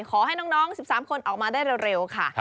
ขอให้น้อง๑๓คนออกมาได้เร็วค่ะ